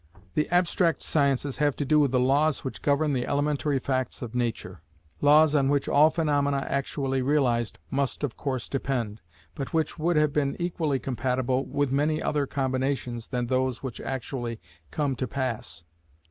The abstract sciences have to do with the laws which govern the elementary facts of Nature; laws on which all phaenomena actually realized must of course depend, but which would have been equally compatible with many other combinations than those which actually come to pass.